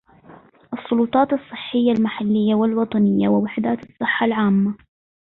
السلطات الصحية المحلية والوطنية ووحدات الصحة العامة